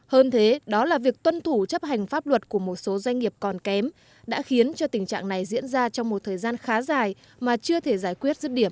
hơn thế đó là việc tuân thủ chấp hành pháp luật của một số doanh nghiệp còn kém đã khiến cho tình trạng này diễn ra trong một thời gian khá dài mà chưa thể giải quyết rứt điểm